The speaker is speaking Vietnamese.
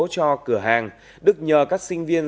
cho cửa hàng đức nhờ các sinh viên